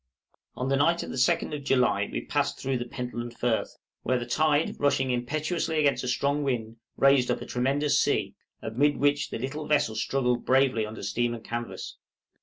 On the night of the 2d of July we passed through the Pentland Firth, where the tide rushing impetuously against a strong wind raised up a tremendous sea, amid which the little vessel struggled bravely under steam and canvas.